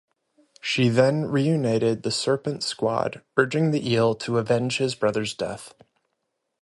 She then reunited the Serpent Squad, urging the Eel to avenge his brother's death.